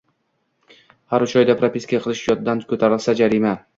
Har uch oyda propiska qilish yoddan ko‘tarilsa – jarima.